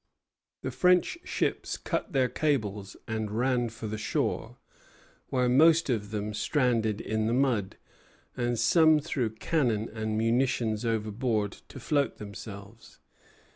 The French ships cut their cables and ran for the shore, where most of them stranded in the mud, and some threw cannon and munitions overboard to float themselves.